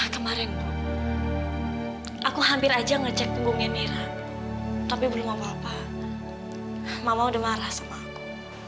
kemarin aku hampir aja ngecek punggungnya mira tapi belum apa apa mama udah marah sama aku